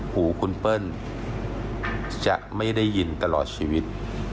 หูคุณเปิ้ลจะไม่ได้ยินตลอดชีวิต